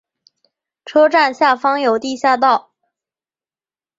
车站下方有地下道。